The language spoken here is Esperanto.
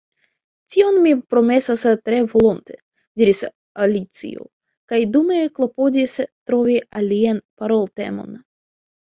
“Tion mi promesas tre volonte,” diris Alicio, kaj dume klopodis trovi alian paroltemon.